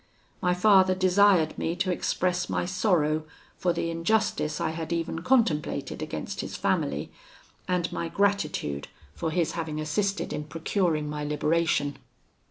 My father desired me to express my sorrow for the injustice I had even contemplated against his family, and my gratitude for his having assisted in procuring my liberation.